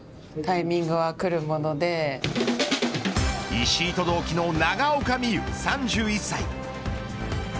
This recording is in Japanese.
石井と同期の長岡望悠３１歳。